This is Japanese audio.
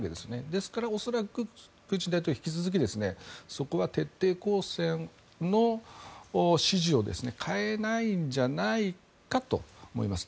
ですから、恐らくプーチン大統領は引き続きそこは徹底抗戦の指示を変えないんじゃないかと思います。